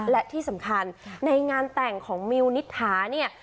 และที่สำคัญในงานแต่งของมิวนิษฐาเนี่ย